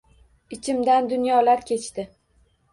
Ichimdan dunyolar kechdi